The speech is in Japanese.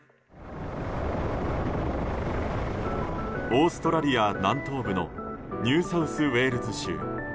オーストラリア南東部のニューサウスウェールズ州。